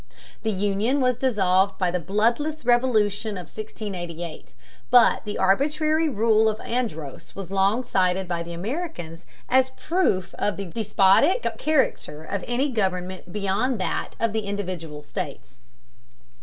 The union was dissolved by the Bloodless Revolution of 1688, but the arbitrary rule of Andros was long cited by the Americans as proof of the despotic character of any government beyond that of the individual states.